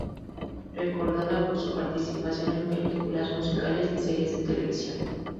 Recordada por su participación en películas musicales y series de televisión.